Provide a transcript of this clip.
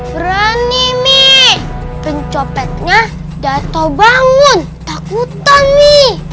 berani mi pencopetnya datau bangun takutan mi